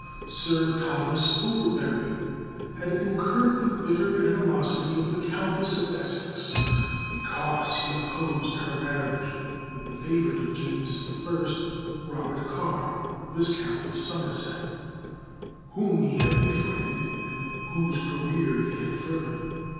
Sir Thomas Overbury had incurred the bitter animosity of the Countess of Essex, because he opposed her marriage with the favorite of James I, Robert Carr, Viscount Somerset, whom he had befriended and whose career he had furthered.